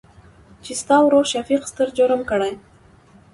چې ستا ورورشفيق ستر جرم کړى.